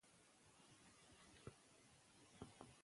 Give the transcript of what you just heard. هغه ښوونځی چې نظم لري، ښه پایله لري.